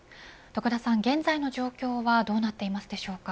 徳田さん、現在の状況はどうなっていますでしょうか。